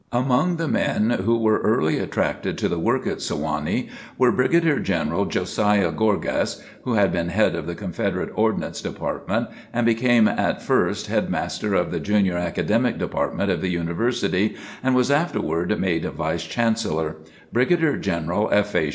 Among the men who were early attracted to the work at Sewanee, were Brigadier General Josiah Gorgas, (who had been head of the Confederate Ordnance Department, and became at first head master of the Junior Academic Department of the University, and was afterward made Vice Chancellor;) Brigadier General F. A.